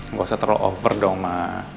nggak usah terlalu over dong ma